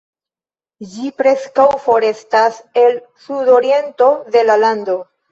Ĝi preskaŭ forestas el sudoriento de la lando.